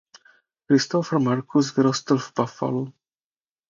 Christopher Markus vyrostl v Buffalu.